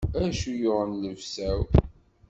Acu yuɣen llebsa-w?